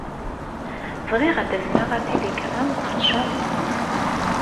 Bɣiɣ ad azneɣ atiligṛam ɣer Japun.